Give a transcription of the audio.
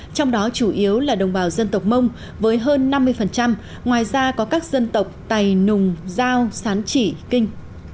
trong đó chủ yếu là đồng bào dân tộc mông với hơn năm mươi ngoài ra có các dân tộc tày nùng giao sán chỉ kinh